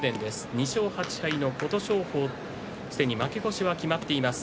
２勝８敗の琴勝峰すでに負け越しは決まっています。